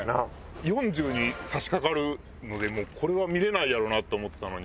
４０にさしかかるのでもうこれは見れないやろうなって思ってたのに。